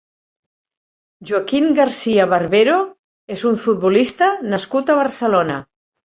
Joaquín García Barbero és un futbolista nascut a Barcelona.